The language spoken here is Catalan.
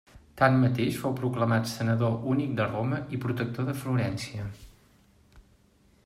Tanmateix fou proclamat senador únic de Roma i protector de Florència.